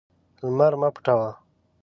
لمر مه پټوه.